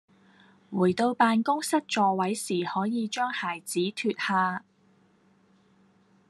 回到辦公室座位時可以將鞋子脫下